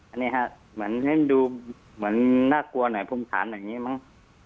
อันนี้ครับเหมือนให้ดูหน้ากลัวหน่อยภูมิฐานหน่อยอย่างนี้มั้ง